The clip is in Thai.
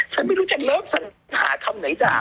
ฉันไม่รู้ฉันเริ่มสันทณะทำไหนตาม